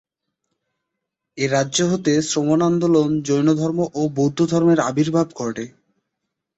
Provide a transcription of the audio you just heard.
এ রাজ্য হতে শ্রমণ আন্দোলন, জৈনধর্ম ও বৌদ্ধধর্মের আবির্ভাব ঘটে।